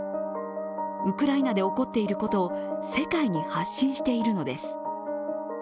ウクライナで起こっていることを世界に発信しているのです。